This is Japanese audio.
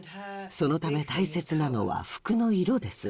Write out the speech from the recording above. そのため大切なのは服の色です。